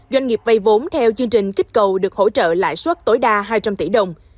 doanh nghiệp vây vốn theo chương trình kích cầu được hỗ trợ lãi suất tối đa hai trăm linh tỷ đồng